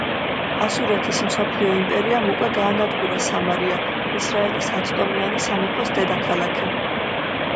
ასურეთის მსოფლიო იმპერიამ უკვე გაანადგურა სამარია, ისრაელის ათტომიანი სამეფოს დედაქალაქი.